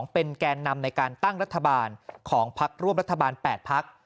เป็นแกนนำในการตั้งรัฐบาลของพักร่วมรัฐบาล๘พัก